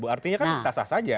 artinya kan sasah saja